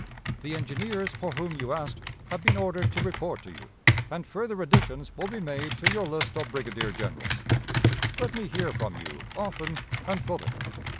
"The engineers for whom you asked have been ordered to report to you, and further additions will be made to your list of brigadier generals. Let me hear from you often and fully.